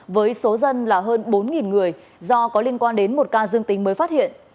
với số dân là hơn bốn người do có liên quan đến một ca dương tính mới phát hiện